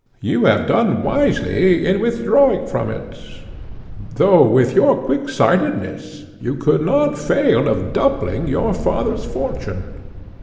You have done wisely in withdrawing from it, though with your quicksightedness you could not fail of doubling your father's fortune."